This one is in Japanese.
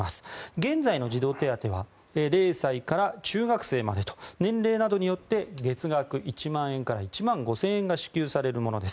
現在の児童手当は０歳から中学生までと年齢などによって月額１万円から１万５０００円が支給されるものです。